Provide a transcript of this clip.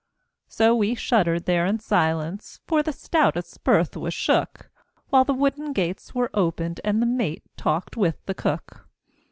So we shuddered there in silence, For the stoutest berth was shook, While the wooden gates were opened And the mate talked with the cook.